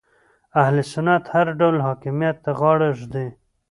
اهل سنت هر ډول حاکمیت ته غاړه ږدي